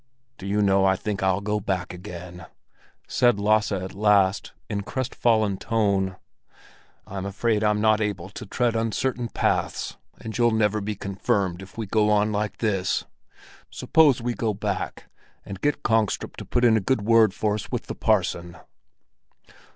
"Do you know I think I'll go back again!" said Lasse at last in crestfallen tone. "I'm afraid I'm not able to tread uncertain paths. And you'll never be confirmed if we go on like this! Suppose we go back and get Kongstrup to put in a good word for us with the parson."